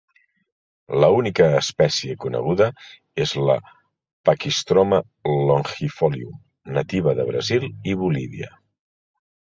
La única espècie coneguda és la Pachystroma longifolium, nativa de Brasil i Bolívia.